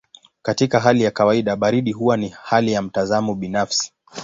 Katika hali ya kawaida baridi huwa ni hali ya mtazamo binafsi.